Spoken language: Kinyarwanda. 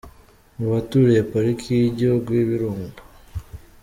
mu baturiye Pariki y’Igihugu yIbirunga.